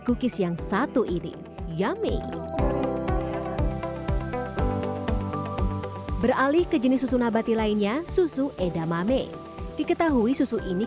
cookies yang satu ini yame beralih ke jenis susu nabati lainnya susu edamame diketahui susu ini